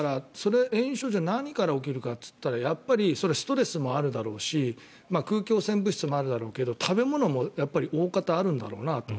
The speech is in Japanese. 炎症は何から起きるかというとやっぱりストレスもあるだろうし空気汚染物質もあるだろうけど食べ物も大方あるんだろうなと。